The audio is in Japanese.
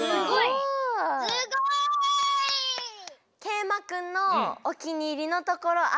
すごい！けいまくんのおきにいりのところある？